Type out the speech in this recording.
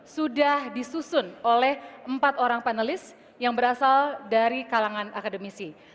sudah disusun oleh empat orang panelis yang berasal dari kalangan akademisi